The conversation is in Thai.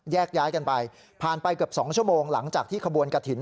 แยกย้ายกันไปผ่านไปเกือบ๒ชั่วโมงหลังจากที่ขบวนกระถิ่น